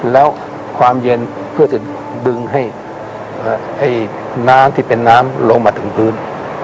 แล้วความเย็นเพื่อจะดึงให้น้ำที่เป็นน้ำลงมาถึงพื้น